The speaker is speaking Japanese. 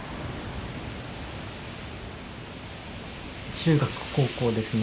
中学・高校ですね